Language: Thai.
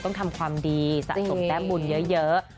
ต้องทำความดีสะสมแต้มบุญเยอะ